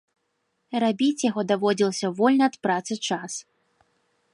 Рабіць яго даводзілася ў вольны ад працы час.